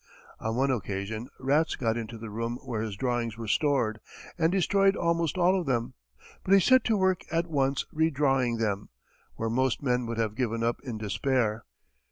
On one occasion, rats got into the room where his drawings were stored, and destroyed almost all of them; but he set to work at once re drawing them, where most men would have given up in despair.